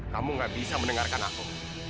kamu gak bisa mendengarkan aku